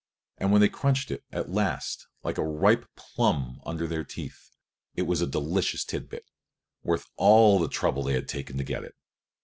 And when they crunched it at last like a ripe plum under their teeth it was a delicious tidbit, worth all the trouble they had taken to get it.